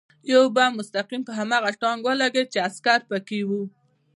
یو بم مستقیم په هماغه ټانک ولګېد چې عسکر پکې و